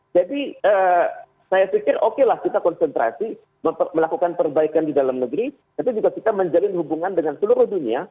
jadi saya pikir okelah kita konsentrasi melakukan perbaikan di dalam negeri tapi juga kita menjalin hubungan dengan seluruh dunia